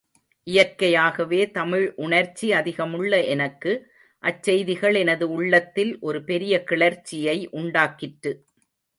இயற்கையாகவே தமிழ் உணர்ச்சி அதிகமுள்ள எனக்கு, அச்செய்திகள் எனது உள்ளத்தில் ஒரு பெரிய கிளர்ச்சியை உண்டாக்கிற்று.